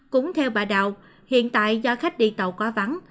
cũng theo bà đào hiện tại do khách đi tàu quá vắng